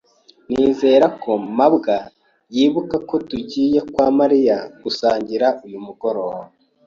Nizere ko mabwa yibuka ko tugiye kwa Mariya gusangira uyu mugoroba.